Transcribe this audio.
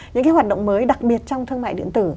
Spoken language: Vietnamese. những cái hoạt động mới đặc biệt trong thương mại điện tử